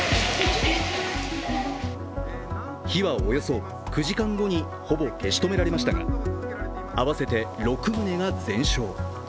火はおよそ９時間後にほぼ消し止められましたが、合わせて６棟が全焼。